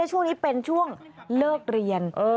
ช่วงนี้เป็นช่วงเลิกเรียน